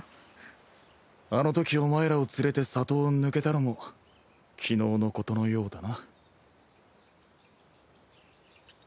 あのときお前らを連れて里を抜けたのも昨日のことのようだな。